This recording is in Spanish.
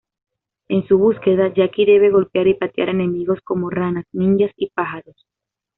En su búsqueda, Jackie debe golpear y patear enemigos como ranas, ninjas y pájaros.